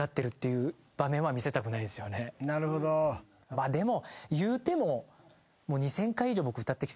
まあでも。